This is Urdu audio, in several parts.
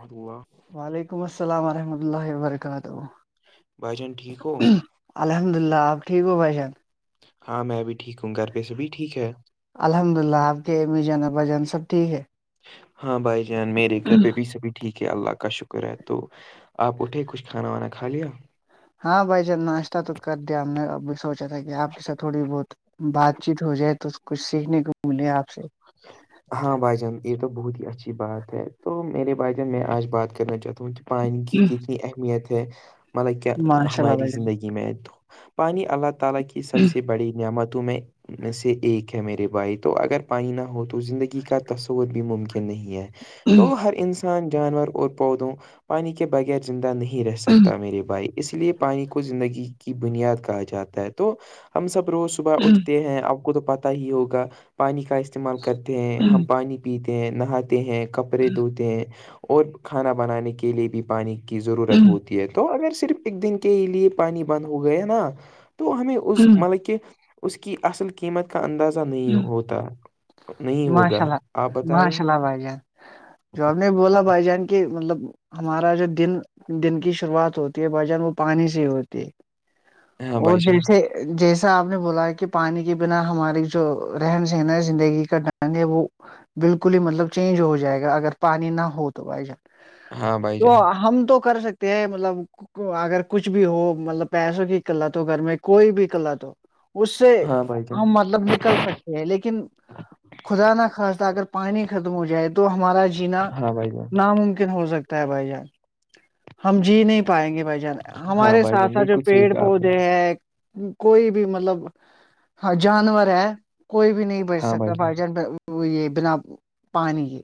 اور ہوا [unintelligible] وعلیکم السلام ورحمۃ اللہ وبرکاتہ بھائی جان ٹھیک ہو [unintelligible] الحمد للہ آپ ٹھیک ہوو بھائیشان ہاں میں بھی ٹھیک ہوں گھر پہ سے بھی ٹھیک ہے الحمد للہ آپ کے امی جان با جان سب ٹھیک ہے ہاں بھائی جان میرے گھر پہ بھی سبھی ٹھیک ہے اللہ کا شکر ہے تو آپ اٹھے کچھ کھانا وانا کھا لیا ہاں بھائی جب ناشتہ تو کر دیا ہم نے اب بھی سوچا تھا کہ آپ کے ساتھ تھوڑی بہت بات چیت ہو جائے تو کچھ سیکھنے کو ملے آپ سے ہاں بھائی جان یہ تو بہت ہی اچھی بات ہے تو میرے بھائی جان میں آج بات کرنا چاہتا ہوں پانی کی کتنی اہمیت ہے مطلب کیا ماشاء اللہ ہماری بھائی جان زندگی میں آئے تو پانی کی سب سے بڑی نعمتوں میں ان میں سے ایک ہے میرے بھائی تو اگر پائ نہ ہو تو زندگی کا تصور بھی ممکن نہیں ہے تو ہر انسان جانور اور پودوں پانی کی کے بغیر زندہ نہیں رہ سکتا میری بائیک اس لیے پانی کو زندگی کی بنیاد کہا جاتا ہے تو ہم سب روز صبح اٹھتے ہیں آپ کو تو پتہ ہی ہوگا پانی کا استعمال کر ہیں ہم پانی پیتے ہیں نہاتے ہیں کپڑے دھوتے ہیں اور کھانا بنانے کے لیے بھی پانی کی ضرورت ہوتی ہے تو اگر صرف ایک دن کے لیے پانی بند ہو گئے نا تو ہمیں اس مطلب کہ اس کی اصل قیمت کا اندازہ نہیں ہوتا نہیں ماشاء ہوگا اللہ آپ بتائیں ماشاء اللہ بھائی جان جو ہم نے بولا بھائی جان کی مطلب ہمارا جو دن دن کی شروعات ہوتی ہے بھجن وہ پانی سے ہوتی ہے ہاں اور بھائی جان جیسے جیسا آپ نے بولا ہے کہ پانی کے بنا ہماری جو رہن سہنا ہے زندگی کاٹنا ہے وہ بالکل ہی مطلب چینج ہو جائے گا اگر پانی نہ ہو تو بھائی جان ہاں بھائی تو جان ہم تو کر سکتے ہیں مطلب اگر کچھ بھی ہو مطلب پیسوں کی قلت ہو گھر میں کوئی بھی قلت ہو اس سے ہاں بھائی جان ہم مطلب ن کر سکتے ہیں لیکن خدا نہ خواستہ اگر پانی ختم ہو جائے تو تو ہمارا جینا ہاں بھائی جان ناممکن ہو سکتا بھائی جان ہم جی نہیں پائیں گے بھائی جان ہاں ہمارے بھائی ساتھ جان ساتھ جو بالکل صحیح پیڑ کہا آپ نے پودے ہیں کوئی بھی مطلب ہ جانور ہے کوئی بھی نہیں بچ سکتا بھائی جان یہ بنا پانی یہ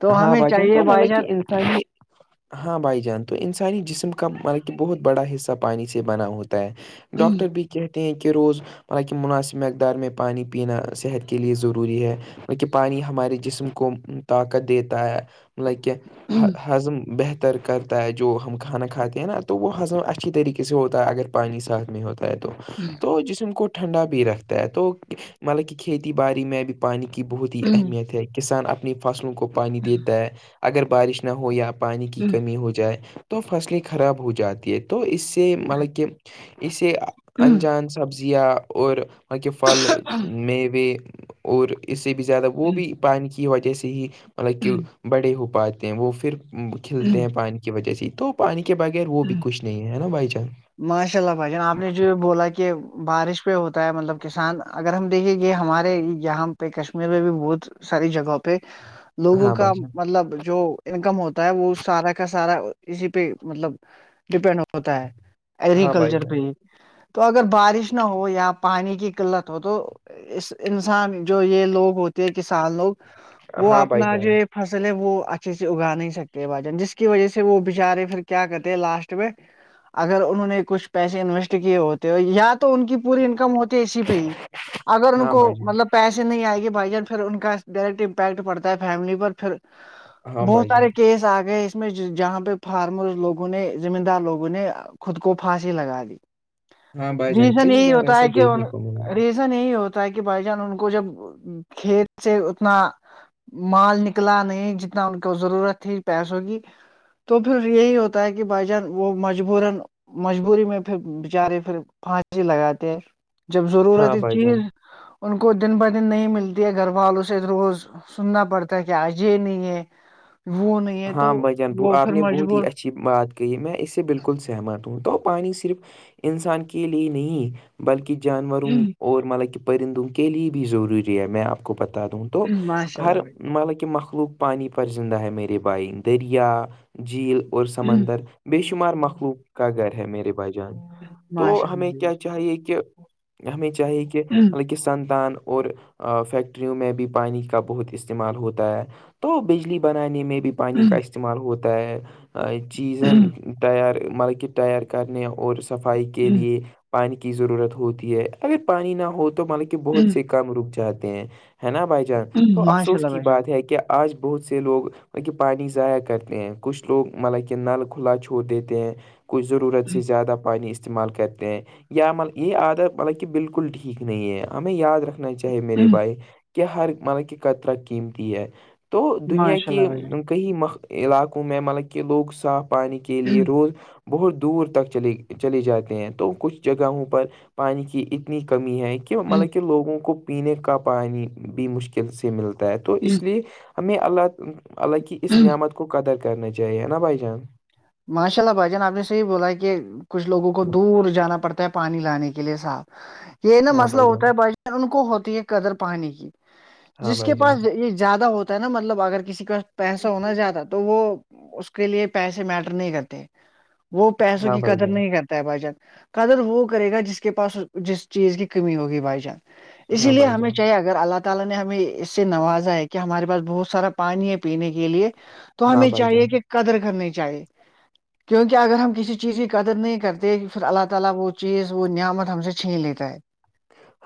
تو ہاں ہمیں بھائی جان چاہیے تو بائی مطلب چان کہ انسانی ہاں بھائی جان تو انسانی جسم کا مطب کہ بہت بڑا حصہ پانی سے بنا ہوتا ہے ڈاکٹر بی کہتے ہیں کہ روز حالانکہ مناسب مقدار میں پانی پینا صحت کے لیے ضروری ہے کہ پانی ہمارے جسم کو ت دیتا ہے لطل کہ ہضم بہتر تر کرتا ہے جو ہم کھانا کھاتے ہیں نا تو وہ ہضم اچھی طریقے سے ہوتا ہے اگر پانی ساتھ میں ہوتا ہے تو ہوں تو جسم کو ٹھنڈا بھی رکھتا ہے تو مطلب کہ کھیتی باڑی میں بھی پانی کی بہت ہی اہمیت ہے کسان اپنی فصلوں کو پانی دیتا ہے اگر بارش نہ ہو یا پانی کی کمی ہو جائے تو فصلیں خراب ہو جاتی ہے تو اس سے اس سے مطلب کہ اسے انجان سبزیاں اور ہاں کے پھل میوے اور اس سے بھی زیادہ وہ بھی پانی کی وجہ سے ہی مطلب کہ بڑے ہو پاتے ہیں وہ پھر کھلتے ہیں پانی وجہ سے تو پانی کے بغیر وہ بھی کچھ نہیں ہے نا بائی چانس ماشاء اللہ بھائی جان آپ نے جو بولا کہ بارش پہ ہوتا ہے مطلب کسان اگر ہم دیکھیے یہ ہمارے یہاں پہ کشمیر میں بھی بہت ساری جگہوں پہ لوگوں ہاں بھائی کا جان مطلب جو انکم ہوتا ہے وہ سارا کا سارا اسی پہ مطلب ڈیپینڈ ہوتا ہے ہاں بھائی ایگریکلچر جان پہ تو اگر بارش نہ ہو یا پانی کی قلت ہو تو اس انسان جو یہ لوگ ہوتے ہے کسان لوگ وہ ہاں بھائی اپنا جان جو فصل ہے وہ اچھے سے اگا نہیں سکتے بھائی جان جس کی وجہ سے وہ بچارے پھر کیا کرتے لاسٹ میں اگر انہوں نے کچھ پیسے انویسٹ کیے ہوتے یا تو ان کی پوری انکم ہوتی شی پہ ہی اگر ان ہاں کو بھائی جان مطلب پیسے نہیں آئے گے بھائی جان پھر ان کا ڈائریکٹ امپیکٹ پڑتا ہے فیملی پر پھر ہاں بہت بھائی جان سارے کیس آ گئے اس میں جہاں پہ فارمر لوگ لگ نے زمین دار لوگوں نے خود کو پھانسی لگا دی ہاں بھائی جان ریزن کئی یہی بار ہوتا ایسا ہے کہ دیکھنے کو ملا ہے ریزن یہی ہوتا ہے کہ بھائی جان ان کو جب کھیت سے اتنا [unintelligible] مال نکلا نہیں جتنا ان کو ضرورت تھی پیسوں کی تو پھر یہی ہوتا تاکہ بجن وہ مجبورن [unintelligible] مجبوری میں پھر بچارے پھر پھانسی لگاتے جب ضرورت ہاں بھائی جان چیز ان کو دن بہ دن نہیں ملتی ہے گھر والوں سے روز سننا پڑتا ہے کہ آجے نہیں ہے وہ نہیں ہے تو ہاں بھجان وہ آپ پھر نے بہت ہی مجبور اچھی بات کہی میں اس سے بالکل سہمت ہ تو پانی صرف انسان کے لیے نہیں بلکہ جانوروں اور مطلب کہ پرندوں کے لیے بھی ضروری ہے میں آپ کو بتا دوں تو ماشاء اللہ ہر بھائی مطلب کہ مخلوق پانی پر زندہ ہے میرے بھائی دریا جھیل اور سمندر بے شمار مخلوق کا گھر ہے میرے بھائی جان تو ماشاء ہمیں کیا چاہیے کہ ہمیں چاہیے کہ مطلب کہ سنتان اور فیکٹریوں میں بھی پانی کا بہت استعمال ہوتا ہے تو بجلی بنانے میں بھی پانی کا استعمال ہوتا ہے چیزیں ٹائیر مطلب کہ ٹائیر کرنے اور صفائی کے اللہ لیے پانی کی ضرورت ہوتی ہے اگر پانی نہ ہو تو مطل کے بہت سے کام رک جاتے ہیں [unintelligible] ہے نا بھائی جان تو ماشاء افسوس اللہ کی بھائی جان بات ہے کہ آج بہت سے لوگ کہ پانی ضائع کرتے ہیں کچھ لوگ مطلب کہ نل کھلا چھوڑ دیتے ہیں کوچ ضرورت سے زیادہ پانی استعمال کرتے ہیں یا م یہ عادت مطلب کہ بالکل ٹھیک نہیں ہے ہمیں یاد رکھ چاہے میرے بھائی کہ ہر مطلب کہ قطرا قیمتی ہے تو دنیا ماشاء کی اللہ بھائی کئی م علاقوں میں مطلب کہ لوگ صاف پانی کے لیے جان روز بہت دور تک چلے چلے جاتے ہیں تو کچھ جگہوں پر پانی کی اتنی کمی ہے کہ مطلب کہ لوگوں کو پینے کا پانی بھی مشکل سے ملتا ہے تو اس لیے ہمیں اللہ اللہ کی اس نعمت کو قدر کرنا چاہیے نا بھائی جان ماشاء اللہ بھائی جان آپ نے صحیح بولا کہ کچھ لوگوں کو دور جانا پڑتا ہے پانی لانے کے لیے صاف یہ نا ہاں مسئلہ بھائی جان ہوتا ہے ب ان کو ہوتی ہے قدر پانی کی ہاں جس کے بھائی جان پاس یہ زیادہ ہوتا ہے نا مطلب اگر کسی کا پیسہ ہونا زیادہ تو وہ اس کے لیے پیسے میٹر نہیں کرتے وہ پیسوں ہاں کی بھائی قدر جان نہیں کرتے بھائی جان قدر وہ کرے گا جس کے پاس جس چیز کی کمی ہوگی بھائی جان اسی ہاں لیے بھائی ہمیں جان چاہے گ اگر اللہ تعالی نے ہمیں اس سے نوازا ہے کہ ہمارے پاس بہت سارا پانی ہے پینے کے لیے تو ہاں ہمیں بھائی چاہیے جان کہ قدر کرنی چاہیے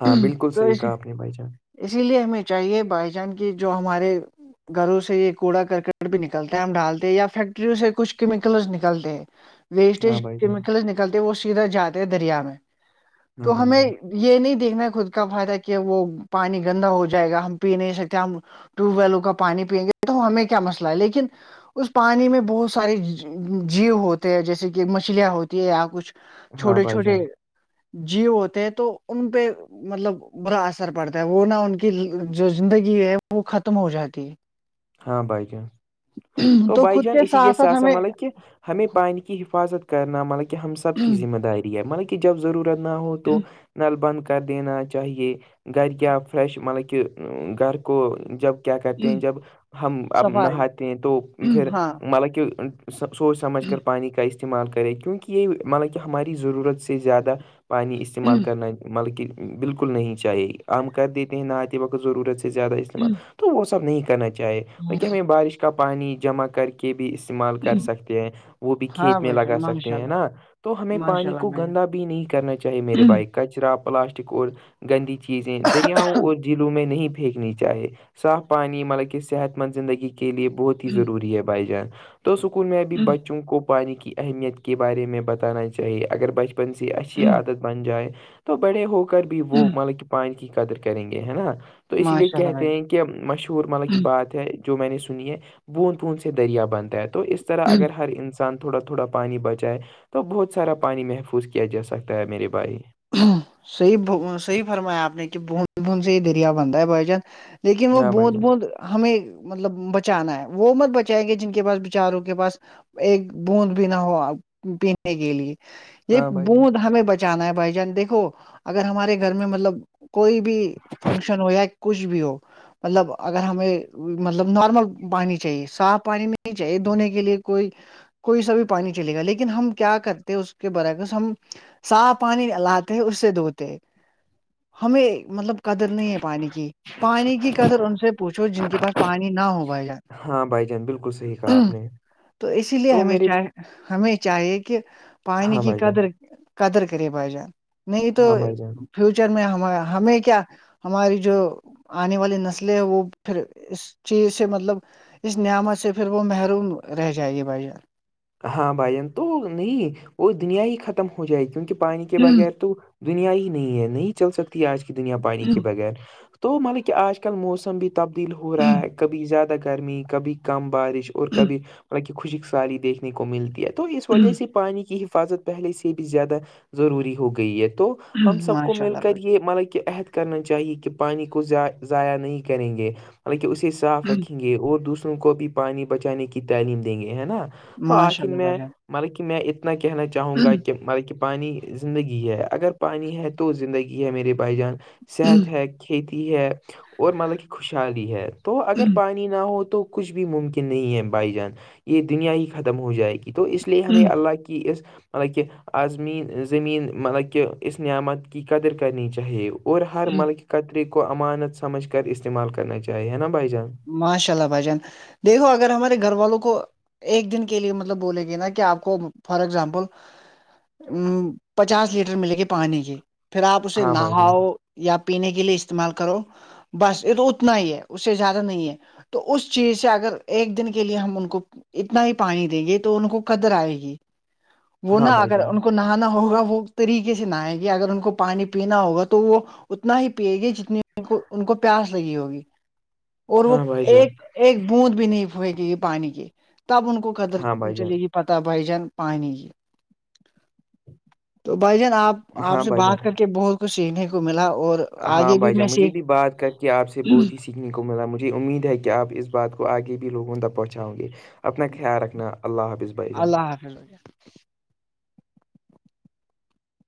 ہاں بالکل تو صحیح کہا آپ نے بھائی جان اسی لیے ہمیں چاہیے بائی جان کی جو ہمارے گھروں سے یہ کوڑا کرکٹ بھی نکلتا ہے ہم ڈالتے ہیں یا فیکٹریوں سے کچھ کیمیکلس نکلتے ہیں ہاں ویسٹیج بھائی جان کیمکل نکل کتے وہ سیدھا جاتے ہیں دریا میں ہاں تو بھائی ہمیں جان یہ نہیں دیکھنا خود کا فائدہ کہ وہ پانی گندا ہو جائے گا ہم پی نہیں سکتے ہم ٹیوب ویل کا پانی پئیں گے تو ہمیں کیا مسئلہ ہے لیکن اس پانی میں بہت سارے جیو ہوتے ہیں جیسے کہ مچھلیاں ہوتی ہے یا کچھ ہاں چھوٹے بھائی چھوٹے جان جیو ہوتے ہیں تو ان پہ مطلب برا اثر پڑتا ہے وہ نہ ان کی جو زندگی ہے وہ ختم ہو جاتی ہے ہاں بائی جان تو بائی خود جان کے اسی یہ ساتھ ساتھ سس ہمیں مطلب کہ ہمیں پانی کی حفاظت کرنا مطلب کہ ہم سب کی ذمہ داری ہے مطلب کہ جب ضرور نہ ہو تو نل بند کر دینا چاہیے گھر کیا فریش مطلب کہ گھر کو جب کیا کرتے ہیں جب ہم اب صفائی نہاتے ہیں تو پھر ہاں مطلب کہ سوچ سمجھ کر پانی کا استعمال کرے کیونکہ یہ مطلب کہ ہماری ضرورت سے زیادہ پانی استعمال کرنا بلکہ بالکل نہیں چاہیے عم کر دیتے ہیں نہ آتے وقت ضرورت زیادہ استعمال تو وہ سب نہیں کرنا چاہے وہ کیا ہمیں بارش کا پانی جمع کر کے کے بھی استعمال کر سکتے ہیں وہ بھی ہاں کھیت میں بھائی لگا جان سکتے ماشاء ہیں اللہ نا تو ہمیں ماشاء پانی اللہ کو میں گندا بھی نہیں کرنا چاہیے میرے بائک کو کچرا پلاسٹک اور گندی چیزیں دریاؤں اور جھیلوں میں نہیں بھی پھییکنی چاہے صاف پانی مطلب کہ صحت مند زندگی کے لیے بہت ہی ضروری ہے بھائی جان تو اسکول میں بھی بچوں کو پانی کی اہمیت کے بارے میں بتانا چاہیے اگر بچپن سے اچھی عادت بن جائے تو بڑے ہو کر بھی وہ مطلب کہ پانی کی قدر کریں گے ہے نا تو اسی لیے ماشاء اللہ کہتے بھائی ہیں کہ مشہور مطلب کہ بعات ہے جو میں نے سنی ہے بوند بوند سے دریا بنتا ہے تو اس طرح اگر ہر انسان انسان تھوڑا تھوڑا پانی بچائے تو بہت سارا پانی محفوظ کیا جا سکتا ہے میرے بھائی صحی صی فرمایا آپ نے کہ ب ب سے ہی دریا بندا ہے بھائیجن لیکن وہ ہاں بھائی بت جان بونت ہمیں مطلب بچانا ہے وہ ع مر بچائیں گے جن کے پاس بیچاروں کے پاس ایک بوند بھی نہ ہو پینے کے لیے یہ ہاں بھائی جان بوند ہمیں بچانا ہے بھائی جان دیکھو اگر ہمارے گھر میں مطلب کوئی بھی فنکشن ہویا کچھ بھی ہو مطلب اگر ہمیں مطلب نارمل پانی چاہیے صاف پانی میں نہیں چاہیے دنے کے لیے کوئی کوئی سا بھی پانی چلے گا لیکن ہم کیا کرتے اس کے برعکس ہم صاف پانی لاتے ہیں اس سے دھوتے ہیں ہمیں مطلب قدر نہیں ہے پانی کی پانی کی قدر ان سے پوچھو جن کے پاس پانی نہ ہو بھائی جان ہاں بائی بالکل صحیح کہا آپ نے تو اسی لیے تو ہمیں میرے چاہ ہمیں چاہیے کہ پانی ہاں کی بھائی جان قدر قدر کرے بھائی جان نہیں تو ہاں بھائی جان فیوچر میں ہم ہمیں کیا ہماری جو آنے والی نسلیں ہے وہ پھر اس چیز سے مطلب اس نعمت سے پھر وہ محروم رہ جائے گے بھیاان ہاں بھائین تو نہیں وہ دنیا ہی ختم ہو جائے کیونکہ پانی کے بغیر تو دنیا ہی نہیں ہے نہیں چل سکتی آج کی دنیا پانی کے بغیر تو مطلب کہ آج کل موسم بھی تبدیل ہو رہا ہے کبھی زیادہ گرمی کبھی کم بارش اور کبھی جان مب خوشک ساری دیکھنے کو ملتی ہے تو اس وجہ سے پانی کی حفاظت پہلے سے بھی زیادہ ضروری ہو گئی ہے تو ہم سب کو ماشاء مل اللہ کر بھائی یہ مطلب کہ عہد کرنا چاہیے کہ پانی کو ضائع نہیں کریں گے مطلب کہ اسی سے صاف جان رکھیں گے اور دوسروں کو بھی پانی بچانے کی تعلیم دیں گے ہے نا تو ماشاء آخر اللہ بھائی میں جان مطلب کہ میں اتنا کہنا چاہوں گا کہ ملب کہ پانی زندگی ہے اگر پانی ہے تو زندگی ہے میرے بھائی جان صحت ہے کھیتی ہے اور مطلب کہ خوشحالی ہے تو اگر پانی نہ ہو تو کچھ بھی ممکن نہیں ہے بھائی جان یہ دنیا ہی ختم ہو جائے گی تو اس لیے ہمیں اللہ کی اس مطلب کہہ آزمین زمین مطلب کہہ اسس نعمت کی قدر کرنی چاہ وہ اور ہر ملک قطرے کو امانت سمجھ کر استعمال کرنا چاہیے ہے نا بھائی جان ماشاء اللہ بھجان دیکھو اگر ہمارے گھر والوں کو ایک دن کے لیے مطلب بولے گے نا کہ آپ کو فار اگزامپل پچاس لیٹر ملے گی پانی کی پھر آپ اسے ہاں بھائی جان نہاؤ یا پینے کے لیے استعمال کرو بس یہ تو اتنا ہی ہے اس سے زیادہ نہیں ہے تو اس چیز سے اگر ایک دن کے لیے ہم ان کو اتنا ہی پانی دیں گے تو ان کو قدر آئے گی وہ ہاں نہا بھائی اگر جان ان کو نہ ا ہوگا وہ طریقے سے نہئے گی اگر ان کو پانی پینا ہوگا تو وہ اتنا ہی پی گی جتنی کو ان کو پیاس لگی ہوگی اور وہ ہاں بھائی جان ایک ایک بوند بھی نہیں پھ گی پانی کی تب ان کو قدر ہاں بھائی جان چلے گی پتہ بھائی جان پانیانی یہ تو بھائی جان آپ آپ ہاں سے بھائی جان بات کر کے بہت کچھ سیکھنے کو ملا اور ہاں آگے بھائی جان میں مجھے بھی بات کر کے آپ سے سیکھ بہت ہی سیکھنے کو ملا مجھے امید ہے کہ آپ اس بات کو آگے بھی لوگوں تک پہنچاؤں گے اپنا خیال رکھنا اللہ حافظ بھائی جان اللہ حافظ ہو